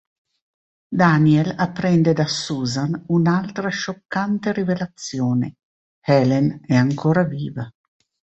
Daniel apprende da Susan un'altra scioccante rivelazione: Helen è ancora viva.